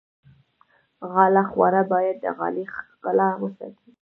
غاله خواره باید د غالۍ ښکلا وساتي.